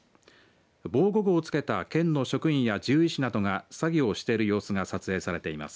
防護具をつけた県の職員や獣医師などが作業している様子が撮影されています。